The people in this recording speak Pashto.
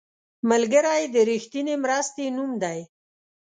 ملګری د رښتینې مرستې نوم دی